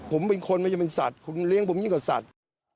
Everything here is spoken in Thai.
ผมเป็นคนไม่ใช่เป็นสัตว์คุณเลี้ยงผมยิ่งกว่าสัตว์